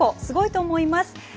すごいと思います。